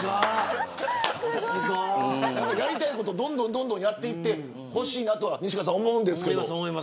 やりたいことどんどん、どんどんやっていってほしいなと思うんですけど。